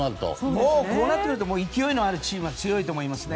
もうこうなってくると勢いのあるチームが強いと思いますね。